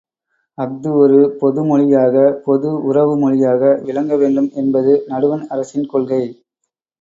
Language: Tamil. அஃது ஒரு பொது மொழியாக பொது உறவு மொழியாக விளங்கவேண்டும் என்பது நடுவண் அரசின் கொள்கை.